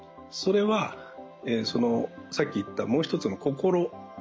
それはさっき言ったもう一つの心。